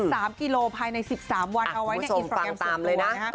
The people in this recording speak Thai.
ติด๓กิโลกรัมภายใน๑๓วันเอาไว้ในอินโปรแกรมส่วนตัวนะฮะโอ้โหส่งฟังตามเลยนะ